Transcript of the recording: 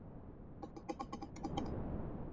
祖父曹楚阳。